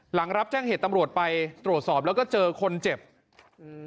หลังรับแจ้งเหตุตำรวจไปตรวจสอบแล้วก็เจอคนเจ็บอืม